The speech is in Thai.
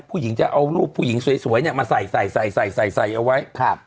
ผู้หญิงจะเอารูปผู้หญิงสวยเนี่ยมาใส่ใส่ใส่ใส่ใส่ใส่เอาไว้ครับ